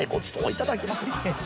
いただきます。